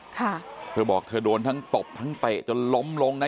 เธอบอกเธอโดนทั้งตบทั้งเตะจนล้มลงนะ